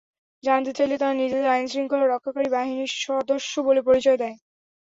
জানতে চাইলে তাঁরা নিজেদের আইনশৃঙ্খলা রক্ষাকারী বাহিনীর সদস্য বলে পরিচয় দেন।